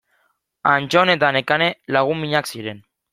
Antton eta Nekane lagun minak ziren.